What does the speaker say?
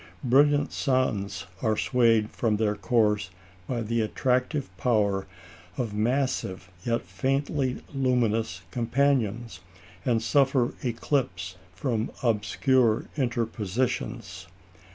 Brilliant suns are swayed from their course by the attractive power of massive yet faintly luminous companions, and suffer eclipse from obscure interpositions.